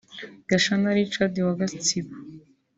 Gasana Richard wa Gatsibo